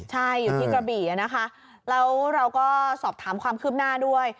ใช่อยู่ที่กระบี่นะคะแล้วเราก็สอบถามความคืบหน้าด้วย